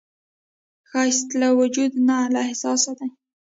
ښایست له وجوده نه، له احساسه دی